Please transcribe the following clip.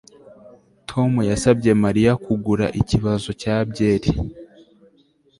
Tom yasabye Mariya kugura ikibazo cya byeri